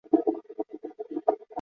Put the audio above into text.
令他讶异的是她还活着